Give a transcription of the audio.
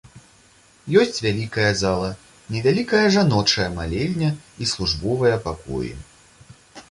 Ёсць вялікая зала, невялікая жаночая малельня і службовыя пакоі.